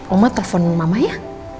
oma telepon mama ya